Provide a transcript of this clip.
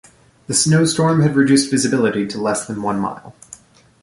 The snowstorm had reduced visibility to less than one mile.